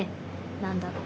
何だろう